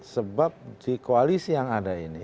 sebab di koalisi yang ada ini